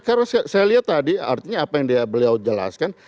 karena saya lihat tadi artinya apa yang beliau jelaskan